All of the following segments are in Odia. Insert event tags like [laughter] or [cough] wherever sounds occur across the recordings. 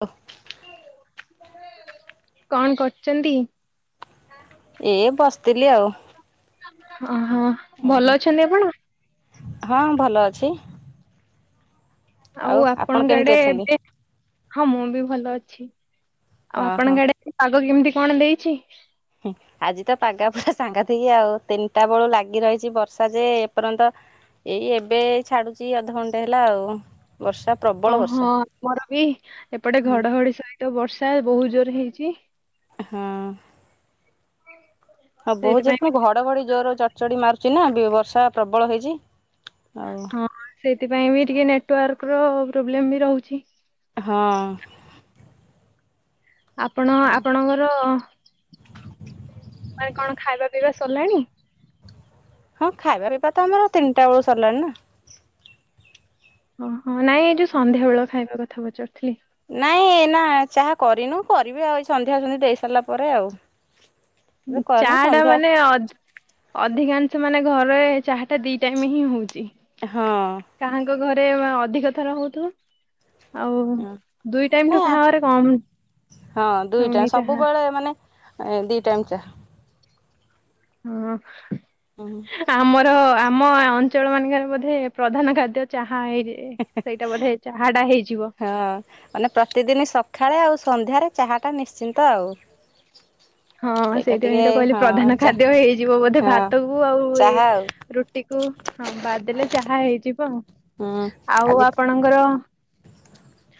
ଓ କଣ କରୁଛନ୍ତି? ଏ ବସିଥିଲି ଆଉ। ଓହୋ। ଓହୋ ଭଲ ଅଛନ୍ତି ଆପଣ? ହଁ ଭଲ ଅଛି। ଆଉ ଆପଣ ଆପଣଙ୍କ କେମିତି ଆଡେ ଅଛନ୍ତି? ଏବେ ହଁ ମୁଁ ବି ଭଲ ଅଛି। ଆଉ ହଁ ହଁ। ଆପଣଙ୍କ ଆଡେ ପାଗ କେମିତି କଣ ଦେଇଛି? ହୁଁ ଆଜି ତ ପାଗା ପୁରା ସାଂଘାତିକି ଆଉ। ତିନିଟା ବେଳୁ ଲାଗି ରହିଛି ବର୍ଷା ଯେ ଏପର୍ଯ୍ୟନ୍ତ ଏଇ ଏବେ ଛାଡୁଚି ଅଧଘଣ୍ଟା ହେଲା ଆଉ ବର୍ଷା ପ୍ରବଳ ବର୍ଷା। ଓହଁ ଆମର ବି ଏପଟେ ହୁଁ ଘଡଘଡି ସହିତ ବର୍ଷା ବହୁତ ଜୋର ହେଇଚି। ହୁଁ। ହଁ ବହୁତ ସେଇଥିପାଇଁ ଜୋର ବି ପୁଣି ଘଡଘଡି ଜୋର ଚଡଚଡି ମାରୁଛି ନା ବର୍ଷା ପ୍ରବଳ ହେଇଛି। ଆଉ ସେଥିପାଇଁ ବି ଟିକେ ନେଟୱାର୍କ ର ପ୍ରୋବ୍ଲେମ ବି ରହୁଛି। ହଁ। ଆପଣ ଆପଣଙ୍କର ମାନେ କଣ ଖାଇବା ପି ପିଇବା ସରିଲାଣି? ହଁ ଖାଇବା ପିଇବା ତ ଆମର ତିନିଟା ବେଳୁ ସରିଲାଣି ନା। ଓହୋ ନାଇଁ ଏଇ ଯୋଉ ସନ୍ଧ୍ୟାବେଳ ଖାଇବା କଥା ପଚାରୁଥିଲି। ନାଇଁ ନା ଚାହା କରିନୁ କରିବି ଆଉ ଏ ସନ୍ଧ୍ୟା ସୂନ୍ଧି ଦେଇ ସାରିଲା ପରେ ଆଉ। ଏବେ ଚା କରିନୁ ଟା ସନ୍ଧ୍ୟା ମାନେ ଅଧିକାଂଶ ମାନେ ଘରେ ଚାହା ଟା ଦି ଟାଇମ ହିଁ ହଉଛି ହଁ କାହାଙ୍କ ଘରେ ଅଧି ଅଧିକ ଥର ହଉଥିବ। ଆଉ ଦୁଇ ନା ଟାଇମଠୁ କାହା ଘରେ କମ ହଁ ଦୁଇ ଟାଇମ୍ ହଉନି ଚାହା। ସବୁବେଳେ ମାନେ ଦି ଟାଇମ୍ ଚା। ହଁ। ହୁଁ। ଆମର ଆମ ଅଞ୍ଚଳ ମାନଙ୍କରେ ବୋଧେ ପ୍ରଧାନ ଖାଦ୍ୟ ଚାହା। ହେଇଯାଏ। ସେଇଟା ବୋଧେ ଚାହା ଟା ହେଇଯିବ। ହଁ ମାନେ ପ୍ରତିଦିନ ସକାଳେ ଆଉ ସନ୍ଧ୍ୟାରେ ଚାହାଟା ନିଶ୍ଚିନ୍ତ ଆଉ। ହଁ ସେଇଟା ସେଇଥିପାଇଁ ଟିକେ ତ କହିଲି ହଁ ପ୍ରଧାନ ଚା ଖାଦ୍ୟ ହେଇଯିବ ବୋଧେ ହଁ ଭାତ କୁ ଆଉ ଏ ଚାହା ଆଉ ରୁଟି କୁ ହଁ ବାଦ ଦେଲେ ଚାହା ହେଇଯିବ ହୁଁ ଆଉ ଆଜି ଆପଣଙ୍କର [unintelligible]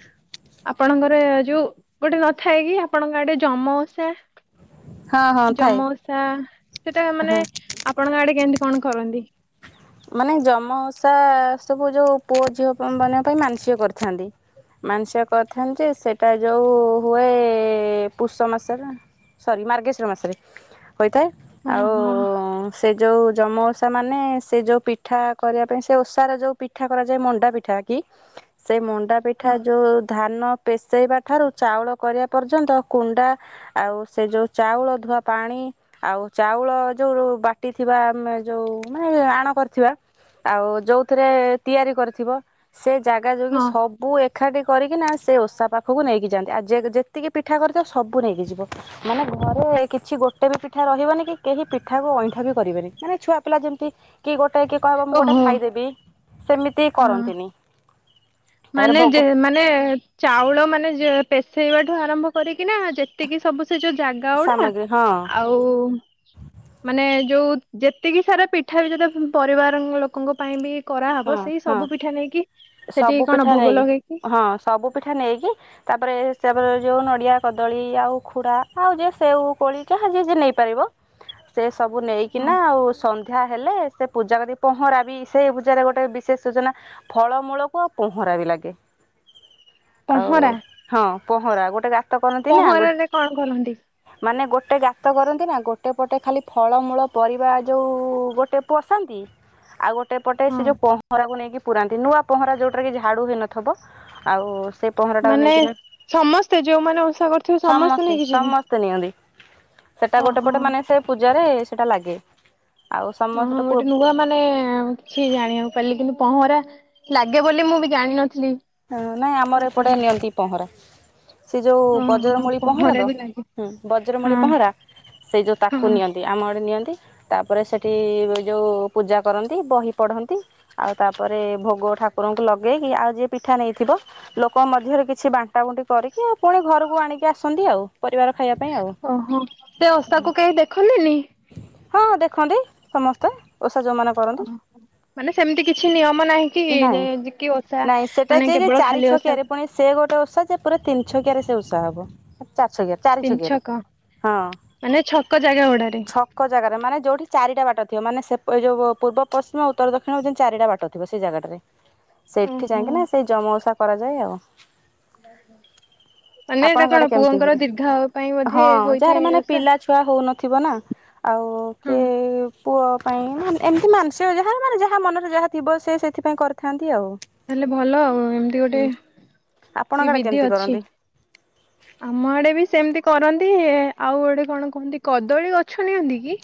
ଆପଣଙ୍କର ଯୋଉ ଗୋଟେ ନଥାଏ କି ଆପଣଙ୍କ ଗୋଟେ ଯମ ଓଷା। ହଁ ହଁ ଥାଏ ଯମ ଓଷା ସେଟା ମାନେ ହଁ। ଆପଣଙ୍କ ଆଡେ କେମିତି କଣ କରନ୍ତି। ମାନେ ଯମା ଓଷା ସବୁ ଯୋଉ ପୁଅ ଝିଅ ମାନଙ୍କ ପାଇଁ ମାନସିକ କରିଥାନ୍ତି। ମାନସିକ କରିଥାନ୍ତି ଯେ ସେଇଟା ଯୋଉ ହୁଏ ପୁଷ ମାସର। ସରି ମାର୍ଗେଶ୍ୱର ମାସରେ। ହୋଇଥାଏ ଆଉ ଓହୋ ସେ ଯେଉ ଯମ ଓଷା ମାନେ ସେ ଯୋଉ ପିଠା କରିବା ପାଇଁ ସେ ଓଷାର ଯୋଉ ପିଠା କରାଯାଏ ମଣ୍ଡା ପିଠା କି ସେ ମଣ୍ଡା ପିଠା ହଁ ଯେଉଁ ଧାନ ପେଶେଇବା ଠାରୁ ଚାଉଳ କରିବା ପର୍ଯ୍ୟନ୍ତ କୁଣ୍ଡା ଆଉ ସେ ଯେଉଁ ଚାଉଳ ଧୁଆ ପାଣି। ଆଉ ଚାଉଳ ଯୋଉ ବାଟି ଥିବା ଯୋଉ ମାନେ କରି ଆଉ ଯୋଉଥିରେ ତିଆରି କରିିବ ସେ ଜାଗା ଯୋଗୀ ହଁ ସବୁ ଏଖାଠି କରିକିନା ସେ ଓଷା ପାଖକୁ ନେଇକି ଯାଆନ୍ତି ଆଉ ଯେ ଯେତିକି ପିଠା କରିଥିବ ସବୁ ନେଇକି ଯିବ ମାନେ। ଘରେ କିଛି ଗୋଟେ ବି ପିଠା ରହିବନି କି କେହି ପିଠାକୁ ଅଇଁଠା ବି କରିବେନି ମାନେ ଛୁଆ ପିଲା ଯେମିତି କି ଗୋଟେ କିଏ କହିବ ମୁଁ ଗୋଟେ ଓହୋ ଖାଇଦେବି ସେମିତି ହଁ କରନ୍ତିନି। ତାପରେ ମାନେ ଭୋଗ ମାନେ ଚାଉଳ ମାନେ ପେସେଇବାଠୁ ଆରମ୍ଭ କରିକି ନା ଯେତିକି ସବୁ ସେ ଯୋଉ ଜାଗା ଗୁଡା ସାମଗ୍ରୀ ହଁ ଆଉ ମାନେ ଯୋଉ ଯେତିକି ସାରା ପିଠା ବି ଯେତେ ପରିବାର ଲୋକଙ୍କ ପାଇଁ ବି ହଁ କରାହବ ସେଇ ହଁ ସବୁ ପିଠା ନେଇକି ସେଠି ସବୁ କଣ ପିଠା ଭୋଗ ନେଇ ଲଗେଇକି ହଁ ସବୁ ପିଠା ନେଇକି ତାପରେ ହିସାବରେ ଯୋଉଁ ନଡିଆ କଦଳୀ ଆଉ ଉଖୁଡା ଆଉ ଯେ ସେଉ କୋଳି ଯାହା ଯିଏ ନେଇପାରିବ। ହ। ସେ ସବୁ ନେଇକିନା ଆଉ ସନ୍ଧ୍ୟା ହେଲେ ସେ ପୂଜା କରି ପହଁରା ବି ସେ ପୂଜ ଗୋଟେ ବିଶେଷ ଯୋଜନା ଫଳମୂଳକୁ ଆଉ ପହଁରା ବି ଲାଗେ। ଆଉ ପହଁରା ହଁ ପହଁରା ଗୋଟେ ଗା ତ କରନ୍ତି ନା ପହଁରାରେ କଣ କରନ୍ତି? ମାନେ ଗୋ ଗୋଟେ ଗାତ କରନ୍ତି ନା ଗୋଟେ ପଟେ ଖାଲି ଫଳମୂଳ ପରିବା ଯୋଉ ଗୋଟେ ପୋସନ୍ତି। ଆଉ ଗୋଟେ। ପଟେ ହଁ ସେ ଯୋଉ ପହଁରାକୁ ନେଇକି ପୁରାନ୍ତି ନୂଆ ପହଁରା ଯୋଉଟା ରେ କି ଝାଡ଼ୁ ହେଇନଥିବ ଆଉ। ସେ ପହଁରା ଟାକୁ ମାନେ ନେଇକିନା ସମସ୍ତେ ଯୋଉମାନେ ଓଷା କରୁଥିବେ ସମସ୍ତେ ନେଇକି ଯିବେ ସମସ୍ତେ ନିଅନ୍ତି। ସେଟା ଗୋଟେ ଓହୋ। ପଟେ ମାନେ ସେ ପୂଜାରେ ସେଟା ଲାଗେ। ଆଉ ମୁଁ ସମସ୍ତେ ଏଠି ନୂଆ ମାନେ। କିଛି ଜାଣିବାକୁ ପାରିଲି କିନ୍ତୁ ପହଁରା ଲାଗେ ବୋଲି ମୁଁ ବି ଜାଣିନଥିଲି। ହଁ ନାଇଁ ଆମର ଏପଟେ ପ୍ରଥମେ ନିଅନ୍ତି ପହଁରା। ସେ ଯୋଉ ବଜ୍ରମୂଳି ଓହୋ ପହଁରା ତ ବି ଲାଗେ ହୁଁ ବଜ୍ରମୂଳି ହଁ ପହଁରା। ସେଇ ଯୋଉ ତାକୁ ହଁ ନିଅନ୍ତି ଆମ ଆଡେ ନିଅନ୍ତି। ତାପରେ ସେଠି ଯୋଉ ପୂଜା କରନ୍ତି ବହି ପଢନ୍ତି ଆଉ ତାପରେ ଭୋଗ। ଠାକୁରଙ୍କୁ ଲଗେଇକି ଆଉ ଯିଏ। ପିଠା ନେଇଥିବ ଲୋକଙ୍କ ମଧ୍ୟରେ କିଛି ବାଣ୍ଟା ବୁଣ୍ଟି କରିକି ଆଉ ପୁଣି ଘରକୁ ଆଣି କି। ଆସନ୍ତି ଆଉ ପରିବାର ଖାଇବା ପାଇଁ ଆଉ। ଓହୋ ସେ ଓଷାକୁ କେହି ଦେଖନ୍ତିନି ହଁ ଦେଖନ୍ତି ସମସ୍ତେ ଓଷା ଯୋଉମାନେ କରନ୍ତି। ଓହୋ ମାନେ ସେମିତି କିଛି ନିୟମ ନାହିଁ କି ଯେ ନାହିଁ ଯି କି ଓଷା ନାଇଁ ସେଟା ମାନେ ଯେ ଯେ କେବଳ ଚାରି ଖାଲି ଓଷା ଛକିଆରେ କ ପୁଣି ସେ ଗୋଟେ ଓଷା ଯେ ପୁରା ତିନି ଛକିଆରେ ସେ ଓଷା ହବ। ଚାରି ଛକିଆ ଚାରି ତିନି ଛକିଆରେ ଛକ ହଁ ମାନେ ଛକ ଜାଗା ଗୁଡାରେ ଛକ ଜାଗାରେ ମାନେ। ଯୋଉଠି ଚାରିଟା ବାଟ ଥିବ ମାନେ ସେ ପ ଯୋଉ ପୂର୍ବ ପଶ୍ଚିମ, ଉତ୍ତର, ଦକ୍ଷିଣ ଜେମତୀ ଚାରିଟା ବାଟ ଥିବ ସେଇ ଜାଗାଟାରେ। ସେଠି ଓହୋ ଯାଇକି ନା ସେଇ ଯମ ଓଷା କରାଯାଏ ଆଉ। ମାନେ ଏଟା ଆପଣଙ୍କ ଆଡେ କଣ କେମିତି ପୁଅଙ୍କର ହୁଏ? ଦୀର୍ଘାୟୁ ପାଇଁ ବୋଧେ ହୋଇଥାଏ ଏ ଓଷା। ଥିବ ନା ଆଉ ହଁ କିଏ। ପୁଅ ପାଇଁ ଏମିତି ମାଂସିକ ଯାହାର ମାନେ ଯାହା ମନରେ ଯାହା ଥିବ ସିଏ ସେଥିପାଇଁ କରିଥାନ୍ତି। ଆଉ। ତାହେଲେ ଭଲ ଆଉ ଏମିତି ଗୋଟେ ହୁଁ ବି ଆପଣଙ୍କ ଆଡେ ବିଧି କେମିତି ଅଛି। କରନ୍ତି? ଆମ ଆଡେ ବି ସେମିତି। କରନ୍ତି ଆଉ ଏଡେ କଣ କହନ୍ତି କଦଳୀ ଗଛ ନିଅନ୍ତି କି?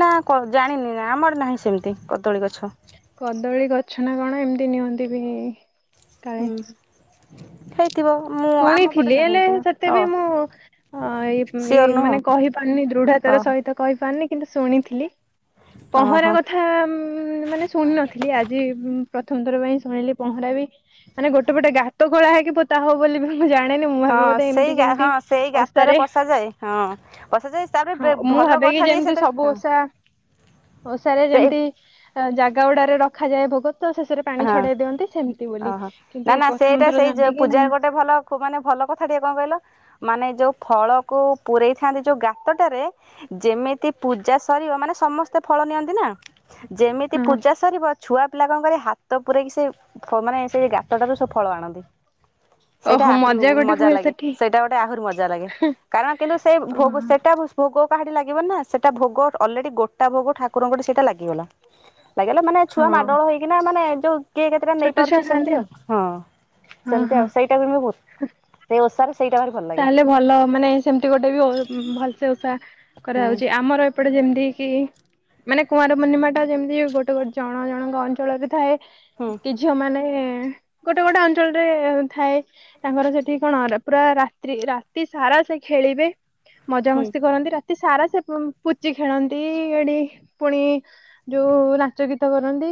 ନା କ ଜାଣିନି ଆମ ଆଡେ ନାହିଁ ସେମିତି କଦଳୀ ଗଛ। କଦଳୀ ଗଛ ନା କଣ ଏମିତି ନିଅନ୍ତି ବି‌। ହୁଁ ହେ ଶୁଣିଥିଲି ହେଲେ ସେତେ ବି ମୁଁ ଇଏ ସିଓର ନୁହଁ। ମାନେ କହିପାରୁନି ଦୃଢତା। ତା ଓ ର ସହିତ କହିପାରୁରନି। କିନ୍ତୁ ଶୁଣିଥିଲି ପହଁରା ଓହୋ। କଥା ମ ମାନେ ଶୁଣି ନଥିଲି ଆଜି ଉଁ। ପ୍ରଥମ ଥର ପାଇଁ ଶୁଣିଲି ପହଁରା ବି ମାନେ ଗୋଟେ ପଟେ ଗାତ ଖୋଳା ହେଇକି ପୋତା ହବ ବୋଲି ବି। ମୁଁ ଜାଣେନି ମୁଁ ଭାବେ ହଁ ବୋଧେ ସେଇ ଏମତି ଗା ଯେମିତି ହଁ ସେଇ ଗାତରେ ଓଷାରେ ପଶାଯାଏ ହଁ ପଶାଯାଏ ତାପରେ ହଁ ବେ ମୁ ମୁଁ ଭଲ ଭାବେ କିି କଥାଟିଏ ଯେମତି ସେଥିରେ ସବୁ ହଁ ଓଷା ଓଷାରେ ସେଇ ଯେମତି ଜାଗା ଗୁଡାରେ ର ରଖାଯାଏ ଭୋଗ ତ ଶେଷରେ ପାଣି ହଁ ଛଡେଇ ଦିଅନ୍ତି ସେମିତି ବୋଲି ଓହୋ ନା କିନ୍ତୁ ନା ପ୍ରଥମ ସେଇଟା ଥର ସେଇ ଯୋ ଜାଣଲି କି ପୂଜା ନାହିଁ। ଗୋଟେ ଭଲ ଖୁବ ମାନେ ଭଲ କଥା ଟିଏ କଣ କହିଲ ମାନେ ଯୋଉ। ଫଳକୁ ପୂରେଇଥାନ୍ତି ଯୋଉ ଗାତଟାରେ ଯେମିତି ପୂଜା ସରିବ ମାନେ ସମସ୍ତେ ଫଳ। ନିଅନ୍ତି ନାଁ ଯେମିତି ହଁ ପୂଜା ସରିବ ଛୁଆ ପିଲା କଣ କରିବେ ହା ହାତ ପୁରେଇକି ସେଇ ମାନେ ସେଇ ଗାତଟାରୁ ସବୁ ଫଳ ଆଣନ୍ତି। ସେଇଟା ଓହୋ ଆହୁରି ଉ ଗୋଟେ ମଜା ହୁଏ ଲାଗେ ସେଠି ସେଇଟା ଗୋଟେ ଆହୁରି ମଜା ଲାଗେ। କାରଣ କିନ୍ତୁ ସେଇ ଓହୋ ଭୋଗ ସେଟା ଭୋଗ। ପାହାଡି ଲାଗିବ ନା ସେଟା ଭୋଗ ଅଲରେଡି ଗୋଟା ଭୋଗ ଠାକୁରଙ୍କ ଟି ସେଟା ଲାଗିଗଲା। ଲାଗିଗଲା ମାନେ ଛୁଆ ହଁ ମାଡ଼ଗଳ ହେଇକିନା ମାନେ ଯୋଉ। କିଏ କେତେଟା ନେଇ ଛୋଟ ଛୁଆ ପାରୁଛି ଖାଆନ୍ତି ସେମିତି ଆଉ ହଁ ହଁ ସେମତି ଆଉ ହଁ ସେଇଟାକୁ ବହୁତ ସେ ଓଷାରେ। ସେଇଟା ଭାରି ଭଲ ଲାଗେ ତାହେଲେ ଭଲ ମାନେ ସେମିତି ଗୋଟେ ବି ଓ ଭଲସେ ଓଷା ହୁଁ କରାହଉଚି ଆମର। ଏପଟେ ଯେମିତି କି ମାନେ କୁଆଁର ପୂର୍ଣ୍ଣିମା ଟା ଯେମିତି ଗୋଟେ ଗୋଟେ ଜଣ ଜଣଙ୍କ ଅଞ୍ଚଳରେ ଥାଏ। ହୁଁ କି ଝିଅମାନେ ଏଁ ଗୋଟେ ଗୋଟେ ଅଞ୍ଚଳରେ ଥାଏ ତାଙ୍କର ସେଠି କଣ ର ପୁରା ରାତି ରାତ୍ରି ରାତିସାରା ସେ ଖେଳିବେ, ହୁଁ ମଜାମସ୍ତି କରନ୍ତି ରାତି ରାତିସାରା ସେ ପୁ-ପୁଚି ଖେଳନ୍ତି, ଏଡି ପୁଣି ଯୋଉ ନାଚ ଗୀତ କରନ୍ତି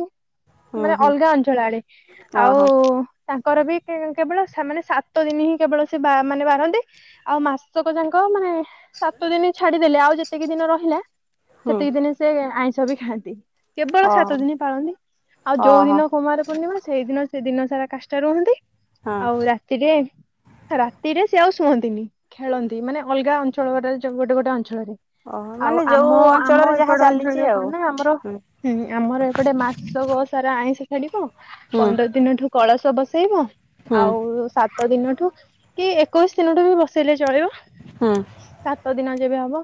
ହୁଁ ମାନେ ହୁଁ ଅଲଗା ଅଞ୍ଚଳ ଆଡେ, ଆଉ ଓହୋ ତାଙ୍କ ଙ୍କର ବି କେବଳ ସେମାନେ ସାତ ଦିନ ହିଁ କେବଳ ସେ ବା ମାନେ ବାର ରନ୍ତି, ଆଉ ମାସକ ଯାଙ୍କ ମାନେ ସାତ ଦିନି ଛାଡିଦେଲେ ଆଉ ଯେତିକି ଦିନ ରହିଲା, ହୁଁ ସେତିକି ଦିନି ସେ ଆଇଁଷ ବି ଖାଆନ୍ତି। କେବଳ ସାତ ଓହୋ ଦିନି ପାଳନ୍ତି ଆଉ ଯୋଉ ଓହୋ ଦିନ କୁମାରପୂର୍ଣ୍ଣିମା ସେଇଦିନ ସେ ଦିନସାରା କାଷ୍ଟା ରୁହନ୍ତି ହଁ ଆଉ ରାତିରେ, ରାତିରେ ସେ ଆଉ ଶୁହନ୍ତିନି, ଖେଳନ୍ତି ମାନେ ଅଲଗା ଅଞ୍ଚଳରେ ଯୋଉ ଗୋଟେ ଗୋଟେ ଅଞ୍ଚଳରେ ଓହୋ ଆଉ ମାନେ ଯୋଉ ଆମ ଆମ ଅଞ୍ଚଳରେ ଯାହା ଏପଡ ଚାଲିଛି ଅଞ୍ଚଳରେ ଆଉ କଣ ନା ଆମର ହୁଁ ଆମର ଏପଟେ ମାସକ ସାରା ଆଇଁଷ ଛାଡିବ, ହୁଁ ପନ୍ଦର ଦିନଠୁ କଳସ ବସେଇବ, ହୁଁ ଆଉ ସାତ ଦିନଠୁ ଠୁ କି ଏକୋଇଶି ଦିନଠୁ ବି ବସେଇଲେ ଚଳିବ। ହୁଁ ସାତ ଦିନ ଯେବେ ହବ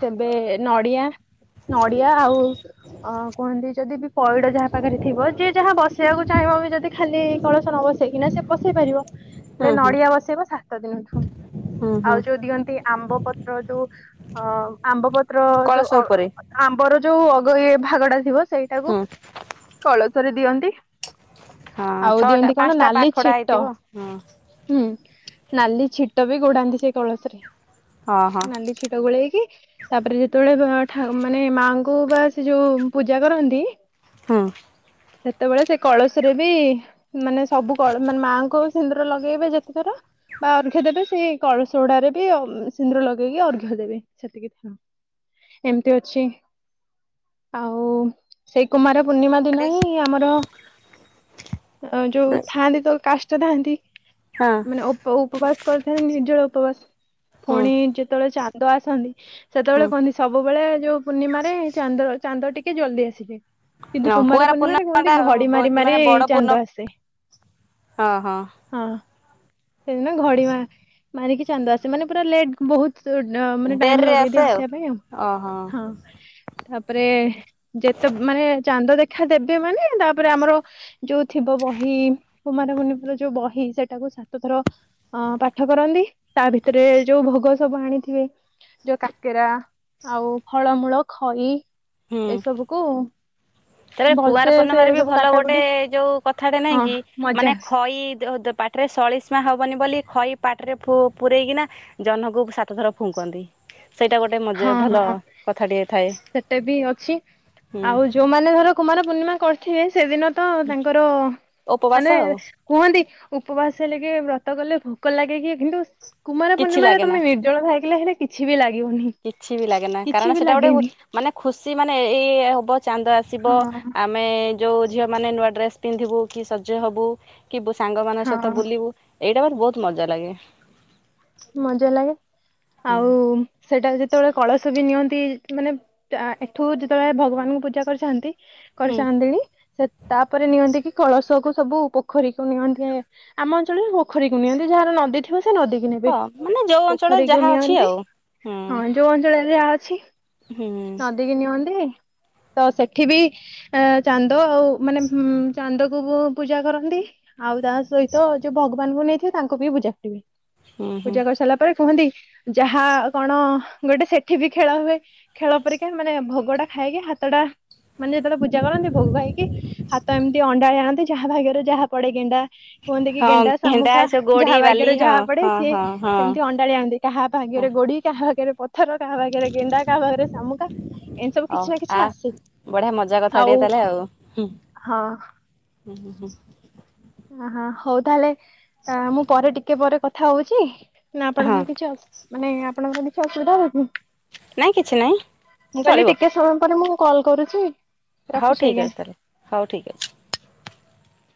ସେବେ ନଡିଆ ନଡିଆ ଆଉ ଅ କୁହନ୍ତି ଯଦି ବି ପଇଡ଼ ଯାହା ପାଖରେ ଥିବ ଯିଏ ଯାହା ବସିବାକୁ ଚାହିଁ ଚାହିଁବ ବି ଯଦି ଖାଲି କଳସ ନ ବସେଇକିନା ସେ ବସେଇ ପାରିବ, ହେଲେ ହୁଁ ହୁଁ ନଡିଆ ବସେଇବ ସା ହୁଁ ହୁଁ ଆଉ ଯୋଉ ଦିଅନ୍ତି ଆମ୍ବ ପତ୍ର ଯୋଉ ଅ ଆମ୍ବ ପତ୍ର ର କଳସ ଯୋଉ ଅ ଉପରେ ଆମ୍ବର ଯୋଉ ଅଗ ଇଏ ଭାଗଟା ଥିବ ସେଇଟାକୁ ହୁଁ କଳ କରି ଦିଅନ୍ତି, ହଁ ଆଉ ଛଅଟା ଦିଅନ୍ତି କଣ ପାଞ୍ଚଟା ନାଲି ପାଖଡା ଛିଟ ହେଇଥିବ ହଁ ହୁଁ। ନାଲି ଛିଟ ବି ଘୋଡାନ୍ତିି ସେଇ କଳସରେ। ହଁ ନାଲି ଛିଟ ଗୋଳେଇକି ତାପରେ ଯେତେବେଳେ ଭାଟ ଥାଉ ମାନେ ମାଙ୍କୁ ବା ସେ ଯୋଉ ପୂଜା କରନ୍ତି ହଁ। ସେତେବେଳେ ସେ କଳସରେ ବି ମାନେ ସବୁ କଳ ମାନେ ମାଆଙ୍କୁ ବି ସିନ୍ଦୁର ଲଗେଇବେ ଯେତେଥର ବା ଅର୍ଘ ଦେବେ ସେଇ କଳସ ଗୁଡାରେ ବି ସିନ୍ଦୂର ଲଗେଇକି ଅର୍ଘ ଦେବେ, ସେତିକି ଥିଲା। ଏମତି ଅଛି। ଆଉ ସେଇ କୁମାର ପୂର୍ଣ୍ଣିମା ଦିନ ହୁଁ। ହିଁ ଆମର ଯୋଉ ଥାଆନ୍ତି ତ କାଷ୍ଟା ଥାଆନ୍ତି ହଁ। ମାନେ ଉପବାସ କରିଥାନ୍ତି, ନିର୍ଜଳା ଉପବାସ। ହୁଁ ପୁଣି ଯେତେବେଳେ ଚାନ୍ଦ ଆସନ୍ତି, ହୁଁ ସେତେବେଳେ କୁହନ୍ତି ସବୁବେଳେ ଯୋଉ ପୂର୍ଣ୍ଣିମାରେ ଚାନ୍ଦ ଚାନ୍ଦ ଟିକେ ଜଲ୍ଦି ଆସିଯାଏ। କିନ୍ତୁ କୁମାର କୁଆଁର ପୂର୍ଣ୍ଣିମାରେ ପୂର୍ଣ୍ଣିମା କୁହନ୍ତି ଟା ଘଡି ମାରି ମାନେ ମାରି ବଡ ଚାନ୍ଦ ପୂର୍ଣ୍ଣମା ଆସେ। ହଁ ହଁ। ସେଦିନ ଘଡି ମା ମାରିକି ଚାନ୍ଦ ଆସେ, ମାନେ ପୁରା ଲେଟ୍ ବହୁତ ସୋଉଟ୍ ମାନେ ଟାଇମ ଡେରିରେ ଲଗେଇ ଦିଏ ଆସେ ଆସିବା ପାଇଁ ଆଉ। ଓହୋ ହଁ ତାପରେ ଯେତେ ମାନେ ଚାନ୍ଦ ଦେଖ ଦେଖା ଦେବେ ମାନେ ତାପରେ ଆମର ଯୋଉ ଥିବ ବହି କୁମାରପୂର୍ଣ୍ଣିମାର ଯୋଉ ବହି ସେଟାକୁ ସେ ସେତେଥର ଅ ପାଠ କରନ୍ତି, ତା ଭିତରେ ଯୋଉ ଭୋଗ ସବୁ ଆଣିଥିବେ ଯୋଉ କାକେରା ଆଉ ଫଳମୂଳ, ଖଇ ହୁଁ ଏସବୁକୁ ତାପରେ ଭଲସେ ସେ କୁଆଁରପୂର୍ଣ୍ଣିମାରେ ବି ସବୁ ଭଲ ଗୋଟେ କାଟାକୁଟି ଯୋଉ କଥାଟେ ନାଇଁ ହଁ କି, ମଜା ମାନେ ହୁଏ ଖଇ ଦେ ଦ ପାଟି ପାଟିରେ ସଳୀସ ଚୁଆଁ ହବନି ବୋଲି ଖଇ ପାଟିରେ ଫୁ ପୁରେଇକିନା ଜହ୍ନକୁ ସାତ ଥର ଫୁଙ୍କନ୍ତି। ସେଇଟା ଗୋଟେ ମଜା ହଁ ଭଲ ହଁ। କଥାଟିଏ ଥାଏ ସେଟା ବି ଅଛି, ହୁଁ ଆଉ ଯୋଉମାନଙ୍କର କୁମାରପୂର୍ଣ୍ଣିମା କରିଥିବେ, ସେଦିନ ତ ତାଙ୍କର ଉପବାସ ମାନେ ଆଉ କୁହନ୍ତି ଉପବାସ ହେଲେ କି ବ୍ରତ କଲେ ଭୋକ ଲାଗେ କି କିନ୍ତୁ କୁମାର କିଛି ପୂର୍ଣ୍ଣିମାରେ ଲାଗେନା। ତମେ ନିର୍ଜଳ ଖାଇକି ଲାଗିଲେ କିଛି ବି ଲାଗିବନି। କିଛି ବି ଲାଗେନା କିଛି କାରଣ ବି ସେଟା ଗୋଟେ ଲାଗେନି। ମାନେ ଖୁସି ମାନେ ଏଇ ଏଇ ହବ ଚାନ୍ଦ ଆ ଆସିବ, ହଁ ଆମେ ଯୋଉ ଝିଅମାନେ ନୂଆ ଡ୍ରେସ୍ ପିନ୍ଧିବୁ କି ସଜ ହବୁ କି ସାଙ୍ଗ ମାନଙ୍କ ସହିତ ହଁ ବୁଲିବୁ ଏଇଟା ମୋର ବହୁତ ମଜା ଲାଗେ। ମଜା ଲାଗେ ହୁଁ ଆଉ ସେଟା ଯଦି ଯେତେବେଳେ କଳସ ବି ନିଅନ୍ତି ମାନେ ଏଠୁ ଯେତେବେଳେ ଭଗବାନଙ୍କୁ ପୂଜା କରିଥାନ୍ତି କରି ହୁଁ ସାରନ୍ତିଣି ସେ ତାପରେ ନିଅନ୍ତି କି କଳସକୁ ସବୁ ପୋଖରୀକୁ ନିଅନ୍ତି। ଆମ ଅଞ୍ଚଳରେ ପୋଖରୀକୁ ନିଅନ୍ତି ଯାହାର ନଦୀ ଥିବ ସେ ନଦୀକୁ ହଁ ମାନେ ଯୋଉ ଅଞ୍ଚଳରେ ପୋଖରୀକୁ ଯାହା ଅଛି ନିଅନ୍ତି। ଆଉ ହୁଁ ହଁ ଯୋଉ ଅଞ୍ଚଳ ଯାହା ଅଛି। ହୁଁ ନଦୀ କିି ନିଅନ୍ତି। ତ ସେଠି ବି ଚାନ୍ଦ ଆଉ ମାନେ ଚାନ୍ଦକୁ ପୂଜା କରନ୍ତି। ଆଉ ତା ସହିତ ଯୋଉ ଭଗବାନଙ୍କୁ ନେଇଥିବେ ତାଙ୍କୁ ବି ପୂଜା କରିବେ। ହୁଁ ହୁଁ ହଁ ପୂଜା କରି ସାରିଲା ପରେ କୁହନ୍ତି ଯାହା କଣ ଗୋଟେ ସେଠି ବି ଖେଳ ହୁଏ। ଖେଳ ପରିକା ମାନେ ଭୋଗ ଟା ଖାଇକି ହା ଭାତଟା ମାନେ ଯେତେବେଳେ ପୂଜା କରନ୍ତି। ଭୋଗ ଖାଇକି ହାତ ଏମିତି ଅଣ୍ଡାଳି ଆଣନ୍ତି ଯାହା ଭାଗ୍ୟରେ ଯାହା ପଡେ ଗେଣ୍ଡା କୁହନ୍ତି କି? ଗେଣ୍ଡା ଘେଣ୍ଡା ଶାମୁଖା ଏସବୁ ଯାହା ଗୋଡି ବାଲି ଭାଗ୍ୟରେ ହଁ ଯାହା ପଡେ। ହଁ ସିଏ ହଁ ହଁ ସେମିତି ଅଣ୍ଡାଳି ଆଣନ୍ତି। କାହା ହଁ ଭାଗ୍ୟରେ ଗୋଡି କାହା ଭାଗ୍ୟରେ ପ ପଥର, କାହା ପାଖରେ ଗେଣ୍ଡା, କାହା ପାଖରେ ଶାମୁକା, ଏଇ ସବୁ ହଉ କିଛି ନା ଆ କିଛି ଆସେ। ବଢିଆ ମଜା କଥା ଟିକେ ଆଉ ତାହେଲେ ଆଉ। ହଁ। ହୁଁ ହୁଁ ହୁଁ। ଅହ ହଉ ତାହେଲେ ମୁଁ ପରେ ଟିକେ ପରେ କଥା ହଉଛି ନା ହଁ ଆପଣଙ୍କର କିଛି ଅ ମାନେ ଆପଣଙ୍କର କିଛି ଅସୁବିଧା ହଉନି ନାଇଁ କିଛି ନାଇଁ ମୁଁ କହିଲି ଚଳିବ ଟିକେ ସମୟ ପରେ ମୁଁ କଲ୍ କରୁଛି। ହଉ ରଖୁଛି ଠିକ୍ ଆଜ୍ଞା। ଅଛି ତାହେଲେ ହଉ ଠିକ୍ ଅଛି।